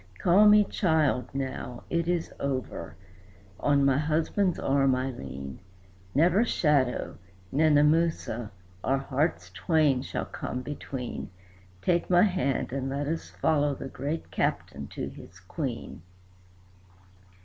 "Call me 'child' now. It is over. On my husband's arm I lean; Never shadow, Nenemoosa, our twain hearts shall come between; Take my hand, and let us follow the great Captain to his Queen."